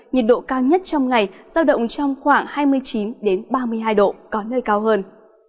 nhiệt độ cao nhất trong ngày giao động trong khoảng hai mươi chín ba mươi hai độ có nơi cao hơn